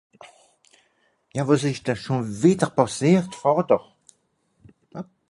Ja, wàs ìsch denn schùn wìdder pàssiert, Vàter ?